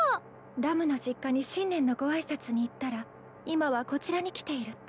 ラムの実家に新年のご挨拶に行ったら今はこちらに来ていると。